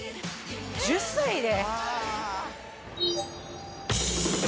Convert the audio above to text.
１０歳で？